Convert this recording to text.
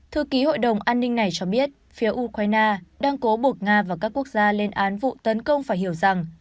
thư ký hội đồng an ninh này cho biết phía ukraine đang cố bột nga và các quốc gia lên án vụ tấn công phải hiểu rằng